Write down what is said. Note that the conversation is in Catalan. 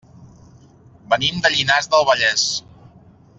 Venim de Llinars del Vallès.